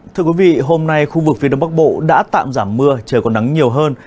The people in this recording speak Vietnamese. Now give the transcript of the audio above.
thưa quý vị hôm nay khu vực phía đông bắc bộ đã tạm giảm mưa trời còn nắng nhiều hơn